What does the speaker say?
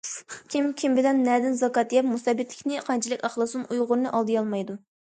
كىم، كىم بىلەن نەدىن زاكات يەپ، مۇستەبىتلىكنى قانچىلىك ئاقلىسۇن ئۇيغۇرنى ئالدىيالمايدۇ.